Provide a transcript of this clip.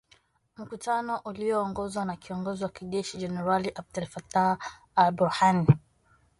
mkutano ulioongozwa na kiongozi wa kijeshi jenerali Abdel Fattah alBurhan